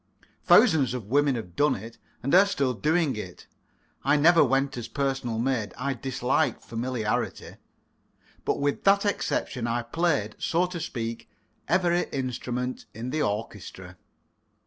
Thousands of women have done it, and are still doing it. I never went as personal maid I dislike familiarity but with that exception I played, so to speak, every instrument in the orchestra.